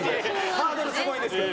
ハードルすごいんですけど。